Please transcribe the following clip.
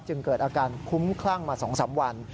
เกิดอาการคุ้มคลั่งมา๒๓วัน